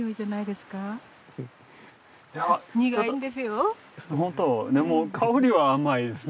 でも香りは甘いです。